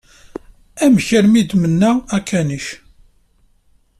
Amek armi i d-tmenna akanic?